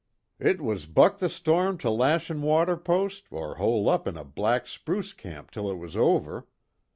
"It was buck the storm to Lashin' Water post, or hole up in a black spruce swamp till it was over.